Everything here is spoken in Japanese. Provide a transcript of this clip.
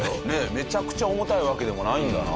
めちゃくちゃ重たいわけでもないんだな。